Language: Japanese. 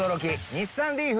日産リーフ！